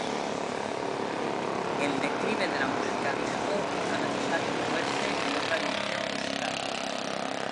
El declive de la música disco hizo necesario moverse en otra dirección musical.